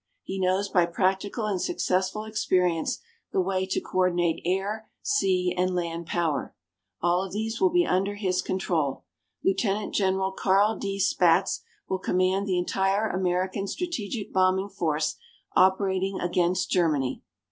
He knows by practical and successful experience the way to coordinate air, sea and land power. All of these will be under his control. Lieutenant General Carl D. Spaatz will command the entire American strategic bombing force operating against Germany.